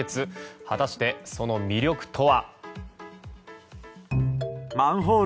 果たして、その魅力とは。